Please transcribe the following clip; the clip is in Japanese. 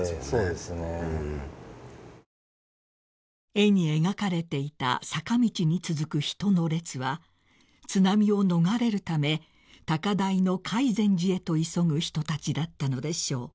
［絵に描かれていた坂道に続く人の列は津波を逃れるため高台の海前寺へと急ぐ人たちだったのでしょう］